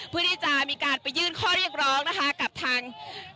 เพื่อที่จะมีการไปยื่นข้อเรียกร้องนะคะกับทาง